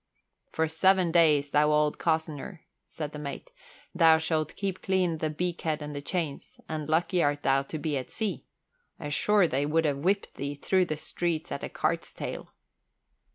"For seven days, thou old cozzener," said the mate, "thou shalt keep clean the beakhead and the chains, and lucky art thou to be at sea. Ashore they would have whipped thee through the streets at the cart's tail."